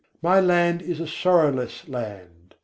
my land is a sorrowless land.